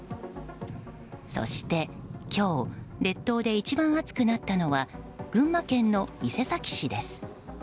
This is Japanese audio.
そして、今日列島で一番暑くなったのは群馬県の伊勢崎市です。